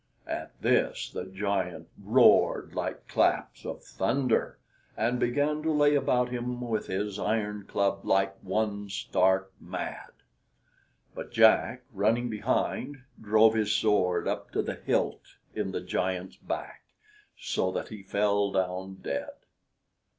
At this, the giant roared like claps of thunder, and began to lay about him with his iron club like one stark mad. But Jack, running behind, drove his sword up to the hilt in the giant's back, so that he fell down dead.